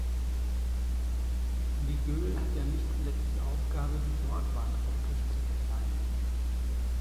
Die Göhl hat ja nicht zuletzt die Aufgabe, die Bordwand optisch zu verkleinern.